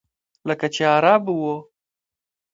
لکه چې عرب و.